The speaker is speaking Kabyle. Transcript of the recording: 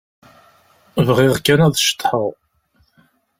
Bɣiɣ kan ad ceḍḥeɣ.